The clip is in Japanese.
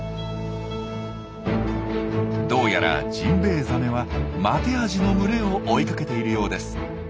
どうやらジンベエザメはマテアジの群れを追いかけているようです。